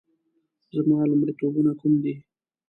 زما لومړیتوبونه کوم دي؟